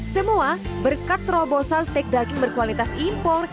semua berkat terobosan steak daging berkualitas impor